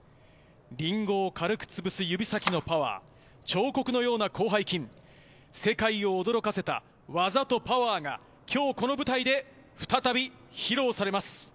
リンゴを軽く潰す指先のパワー、彫刻のような広背筋、世界を驚かせた技とパワーがきょうこの舞台で再び披露されます。